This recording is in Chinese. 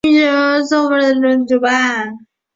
语言创建会议主办。